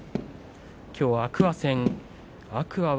きょうは天空海戦。